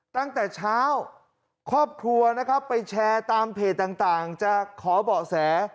ตั้งแต่เช้าครอบครัวนะครับไปแชร์ตามเพจต่างจะขอเบาะแส